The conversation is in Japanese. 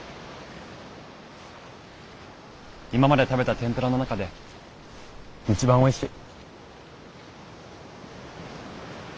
今まで食べたてんぷらの中で一番おいしい。